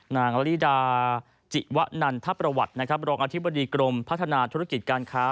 นางละลิดาจิวนันทประวัตินะครับรองอธิบดีกรมพัฒนาธุรกิจการค้า